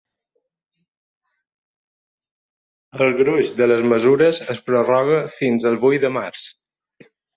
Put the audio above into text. El gruix de les mesures es prorroga fins el vuit de març.